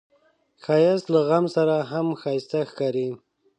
ښایست له غم سره هم ښايسته ښکاري